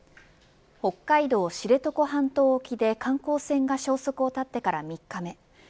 北海道知床半島沖で観光船が消息を絶ってから３日目。